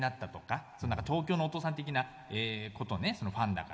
東京のお父さん的なことねファンだから。